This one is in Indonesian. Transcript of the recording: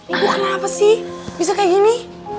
ibu kenapa sih bisa kayak gini